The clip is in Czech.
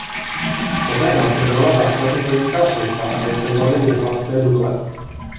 Poté následovala základní vojenská služba a dvě sezóny v jihlavské Dukle.